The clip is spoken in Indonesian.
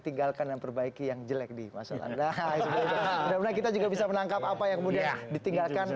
tinggalkan yang perbaiki yang jelek di masa kita juga bisa menangkap apa yang mudah ditinggalkan